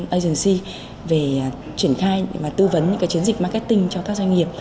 agency về chuyển khai và tư vấn những cái chiến dịch marketing cho các doanh nghiệp